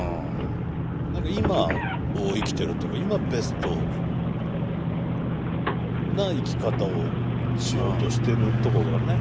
何か今を生きているというか今ベストな生き方をしようとしているところがね。